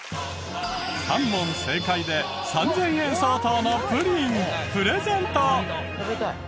３問正解で３０００円相当のプリンプレゼント。